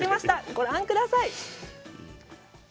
ご覧ください。